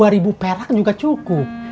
dua ribu perak juga cukup